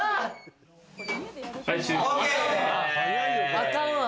あかんわ。